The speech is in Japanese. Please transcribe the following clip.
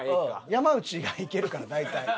山内がいけるから大体。